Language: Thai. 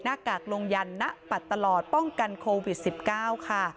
กากลงยันณปัดตลอดป้องกันโควิด๑๙ค่ะ